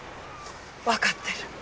わかってる。